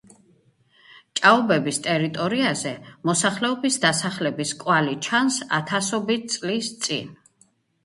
ჭაობების ტერიტორიაზე მოსახლეობის დასახლების კვალი ჩანს ათასობით წლის წინ.